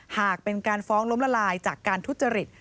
หากเป็นการฟ้องล้มละลายจากการทุจริต